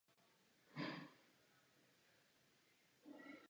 V teorii množin existuje velmi mnoho nezávislých tvrzení.